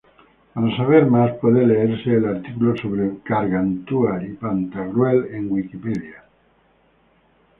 Para saber más, puede leerse el artículo sobre Gargantúa y Pantagruel en Wikipedia.